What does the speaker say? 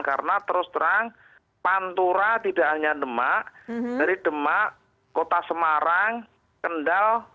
karena terus terang pantura tidak hanya demak dari demak kota semarang kendal